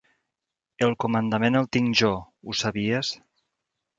El comandament el tinc jo, ho sabies?